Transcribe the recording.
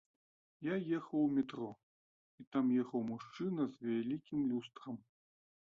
Я ехаў у метро, і там ехаў мужчына з вялікім люстрам.